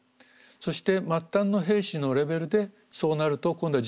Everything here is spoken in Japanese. そして末端の兵士のレベルでそうなると今度は自分の将来を誤る。